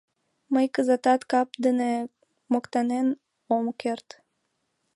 Мый кызытат кап дене моктанен ом керт.